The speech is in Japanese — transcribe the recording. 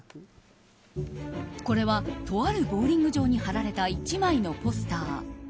これはとあるボウリング場に貼られた１枚のポスター。